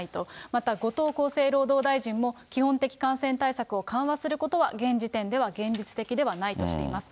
また後藤厚生労働大臣も、基本的感染対策を緩和することは、現時点では現実的ではないとしています。